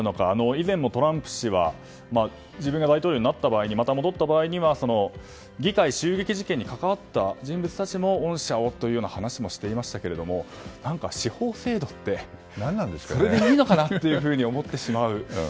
以前もトランプ氏は自分が大統領になった場合また戻った場合には議会襲撃事件に関わった人物たちにも恩赦をという話をしていましたが司法制度ってそれでいいのかなと思ってしまう。